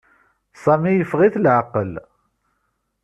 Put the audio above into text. Sami yeffeɣ-it leɛqel.